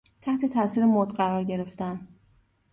تحت تاثیر مد قرار گرفتن